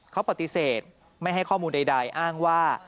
เขาปฏิเสธไม่ให้ข้อมูลใดอ้างว่า